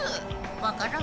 わからん。